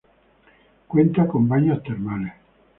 Cuenta con baños termales.